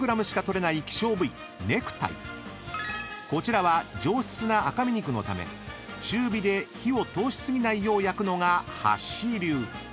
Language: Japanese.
［こちらは上質な赤身肉のため中火で火を通し過ぎないよう焼くのがはっしー流］